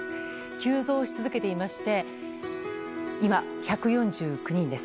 急増し続けていまして今、１４９人です。